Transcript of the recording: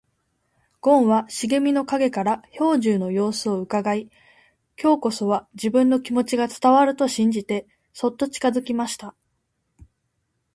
ごんは茂みの影から兵十の様子をうかがい、今日こそは自分の気持ちが伝わると信じてそっと近づきました。